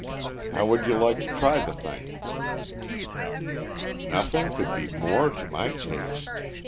How would you like to try the thing?" "Nothing could be more to my taste.